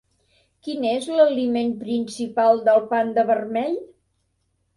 Quin és l'aliment principal del panda vermell?